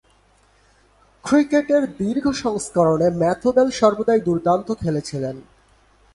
ক্রিকেটের দীর্ঘ সংস্করণে ম্যাথু বেল সর্বদাই দূর্দান্ত খেলেছিলেন।